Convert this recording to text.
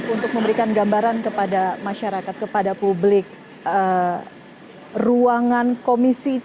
untuk memberikan gambaran kepada masyarakat kepada publik ruangan komisinya